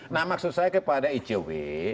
nah maksud saya kepada icw